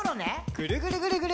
ぐるぐるぐるぐる。